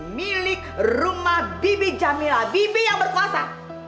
jadi milik rumah bibi jamila bibi yang berkuasa